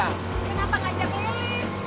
kenapa ngajak lilis